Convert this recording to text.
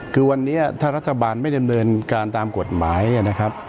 คือวันนี้ถ้ารัฐบาลไม่ดำเนินการตามกฎหมายนะครับ